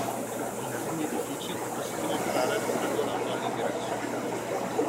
In alcuni edifici è possibile entrare lasciando l'auto all'ingresso.